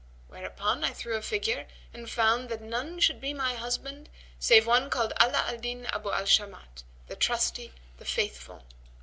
Whereupon I threw a figure and found that none should be my husband save one called Ala al Din Abu al Shamat, the Trusty, the Faithful.